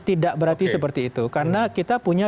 tidak berarti seperti itu karena kita punya